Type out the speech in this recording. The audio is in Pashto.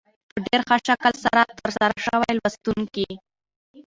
په ډېر ښه شکل تر سره شوې لوستونکي